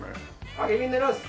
励みになります！